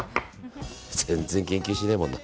全然研究しないもんな。